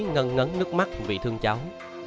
ngân ngấn nước mắt vì thương cháu